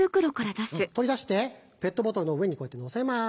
取り出してペットボトルの上にこうやってのせます。